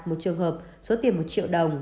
một trường hợp số tiền một triệu đồng